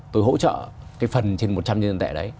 tôi hỗ trợ cái phần trên một trăm nhân dân tệ đấy